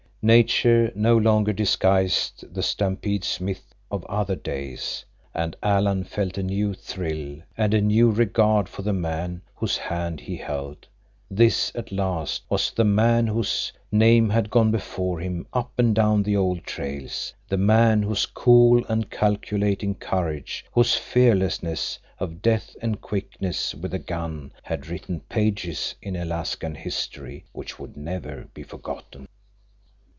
Nature no longer disguised the Stampede Smith of other days, and Alan felt a new thrill and a new regard for the man whose hand he held. This, at last, was the man whose name had gone before him up and down the old trails; the man whose cool and calculating courage, whose fearlessness of death and quickness with the gun had written pages in Alaskan history which would never be forgotten.